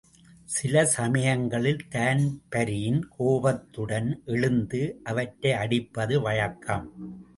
சில சமயங்களில் தான்பரீன் கோபத்துடன் எழுந்து அவற்றை அடிப்பது வழக்கம்.